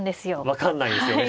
分かんないですよね。